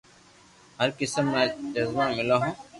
هر قسم را چۮما ملو هو